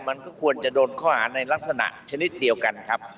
มันก็ควรจะโดนข้อหาในลักษณะชนิดเดียวกันครับ